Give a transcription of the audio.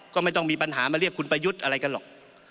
ก็ไม่ต้องมีปัญหามาเรียกคุณประยุทธ์อะไรกันหรอก